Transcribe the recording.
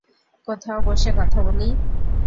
কোথাও বসে কথা বলি?